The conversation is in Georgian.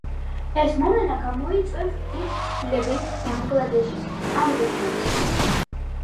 ეს მოვლენა გამოიწვევს დიდ ცვლილებებს ბანგლადეშის ამ რეგიონში.